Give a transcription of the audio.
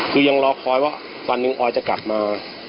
คือยังรอคอยว่าวันหนึ่งออยจะกลับมา